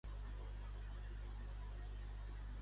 Ha intervingut a La Señora?